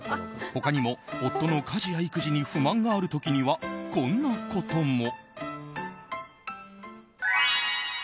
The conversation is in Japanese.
他にも、夫の家事や育児に不満がある時にはこんなことも。